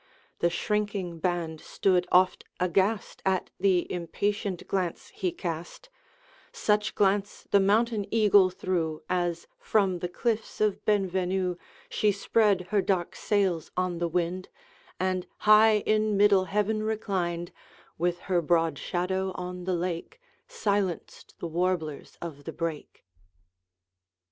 The shrinking band stood oft aghast At the impatient glance he cast; Such glance the mountain eagle threw, As, from the cliffs of Benvenue, She spread her dark sails on the wind, And, high in middle heaven reclined, With her broad shadow on the lake, Silenced the warblers of the brake.